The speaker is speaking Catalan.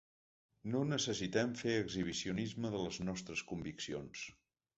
No necessitem fer exhibicionisme de les nostres conviccions.